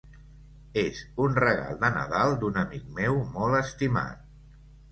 És un regal de Nadal d'un amic meu molt estimat.